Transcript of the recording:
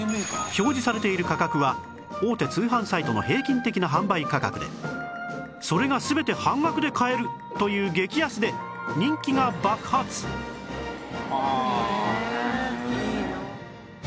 表示されている価格は大手通販サイトの平均的な販売価格でそれが全て半額で買えるという激安で人気が爆発！へえいいな。